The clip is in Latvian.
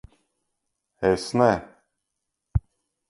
Es ne...